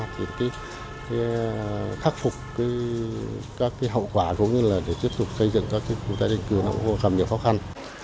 thì cái khắc phục các cái hậu quả vốn như là để tiếp tục xây dựng cho chúng ta đến cửa nó cũng gặp nhiều khó khăn